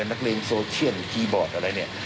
ที่นักเรียกเนมโซเชียลดีบอร์ดอะไรเนี่ย